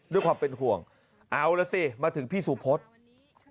ด้วยความเป็นห่วงเอาล่ะสิมาถึงพี่สุพศ